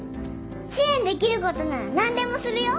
知恵にできることなら何でもするよ！